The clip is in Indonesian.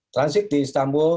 transit di istanbul